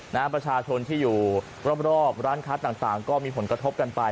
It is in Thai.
ประชาชนที่อยู่รอบร้านค้าต่างก็มีผลกระทบกันไป